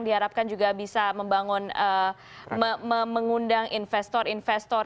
diharapkan juga bisa mengundang investor investor